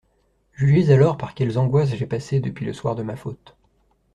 Jugez alors par quelles angoisses j'ai passé depuis le soir de ma faute.